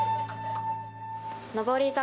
上り坂